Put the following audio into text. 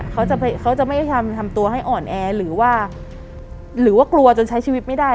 เขาจะไม่ทำตัวให้อ่อนแอหรือว่ากลัวจนใช้ชีวิตไม่ได้